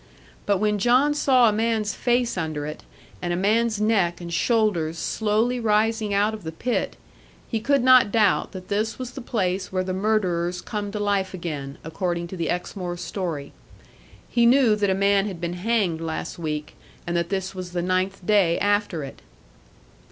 But when John saw a man's face under it, and a man's neck and shoulders slowly rising out of the pit, he could not doubt that this was the place where the murderers come to life again, according to the Exmoor story. He knew that a man had been hanged last week, and that this was the ninth day after it.